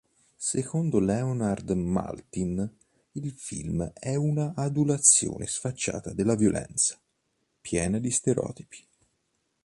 Secondo Leonard Maltin il film è un'"adulazione sfacciata della violenza" piena di stereotipi.